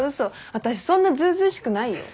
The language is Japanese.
私そんなずうずうしくないよ。